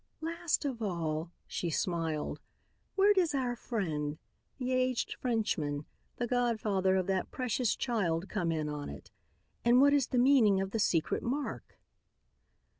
Last of all," she smiled, "where does our friend, the aged Frenchman, the godfather of that precious child, come in on it? And what is the meaning of the secret mark?"